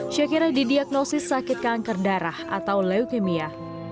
syakira didiagnosis sakit kanker darah atau leukemia